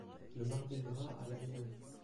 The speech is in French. Le Mardi-Gras à Lannion.